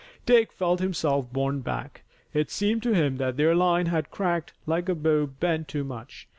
Dick felt himself borne back. It seemed to him that their line had cracked like a bow bent too much.